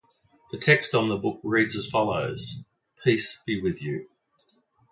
The text on the book reads as follows: Peace be with you.